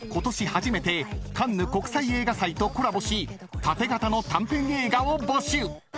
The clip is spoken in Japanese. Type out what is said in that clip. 初めてカンヌ国際映画祭とコラボし縦型の短編映画を募集］